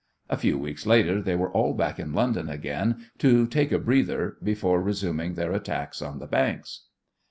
A few weeks later they were all back in London again to take a "breather" before resuming their attacks on the banks.